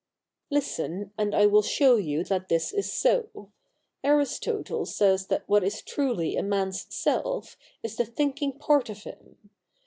•' Listen, and I will show you that this is so. Aristotle says that what is truly a man's Self is the thinking part of him.